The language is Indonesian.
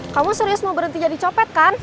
kamu serius mau berhenti jadi copet kan